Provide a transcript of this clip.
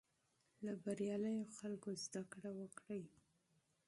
له بریالیو خلکو زده کړه وکړئ.